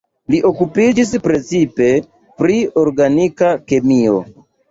Li okupiĝis precipe pri organika kemio.